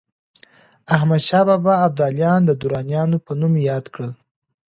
احمدشاه بابا ابداليان د درانیانو په نوم ياد کړل.